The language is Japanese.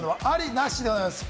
なし？でございます。